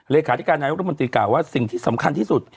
เลขาธิการนายกรมนตรีกล่าวว่าสิ่งที่สำคัญที่สุด